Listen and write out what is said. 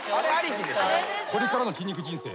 これからの筋肉人生。